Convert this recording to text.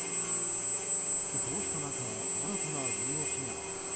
こうした中、新たな動きが。